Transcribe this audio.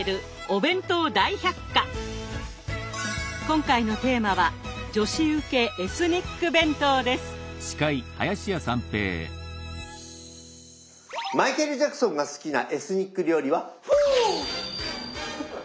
今回のテーマはマイケル・ジャクソンが好きなエスニック料理は「フォー！」。